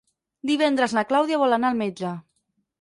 Divendres na Clàudia vol anar al metge.